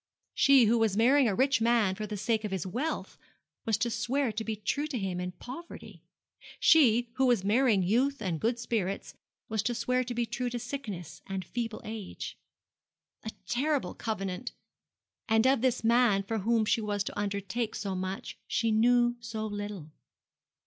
She who was marrying a rich man for the sake of his wealth was to swear to be true to him in poverty. She who was marrying youth and good spirits was to swear to be true to sickness and feeble age. A terrible covenant! And of this man for whom she was to undertake so much she knew so little.